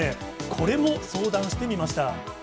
これも相談してみました。